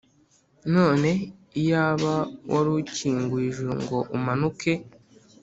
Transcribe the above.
none iyaba wari ukinguye ijuru, ngo umanuke,